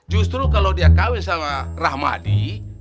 justru kalau dia kawin sama rahmadi